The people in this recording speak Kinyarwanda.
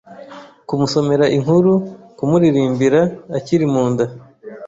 kumusomera inkuru, kumuririmbira akiri mu nda